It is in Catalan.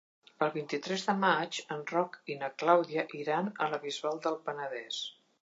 El vint-i-tres de maig en Roc i na Clàudia iran a la Bisbal del Penedès.